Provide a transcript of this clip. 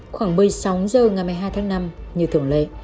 khoảng một mươi sáu h ngày một mươi hai tháng năm như thường lệ